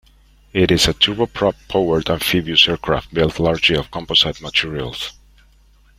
It is a turboprop-powered amphibious aircraft built largely of composite materials.